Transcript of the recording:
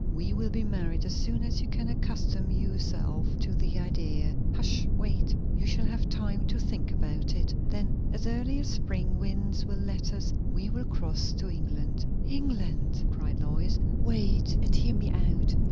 We will be married, as soon as you can accustom your self to the idea. Hush! wait. You shall have time to think about it. Then, as early as spring winds will let us, we will cross to England." "England?" cried Lois. "Wait, and hear me out.